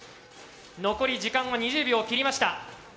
残り時間は２０秒を切りました。